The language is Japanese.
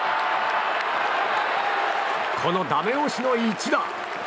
このダメ押しの一打！